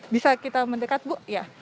bisa kita mendekat bu